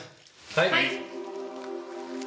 はい！